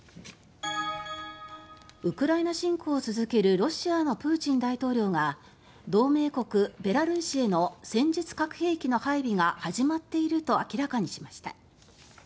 ウクライナ侵攻を続けるロシアのプーチン大統領が同盟国ベラルーシへの戦術核兵器の配備が始まっていると明らかにしました。